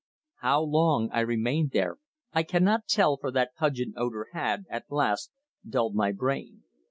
How long I remained there I cannot tell for that pungent odour had, at last, dulled my brain.